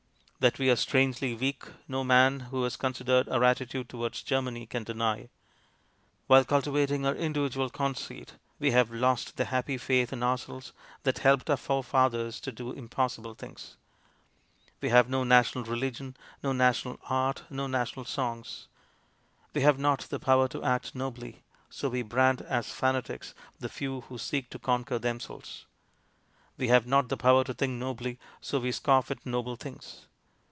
That we are strangely weak no man who has considered our attitude towards Germany can deny. While cultivating our individual conceit, we have lost the happy faith in ourselves that helped our forefathers to do impossible things. We have no national religion, no national art, no national songs. We have not the power to act nobly, so we brand as fanatics the few who seek IS ENGLAND DECADENT? 197 to conquer themselves. We have not the power to think nobly, so we scoff at noble things.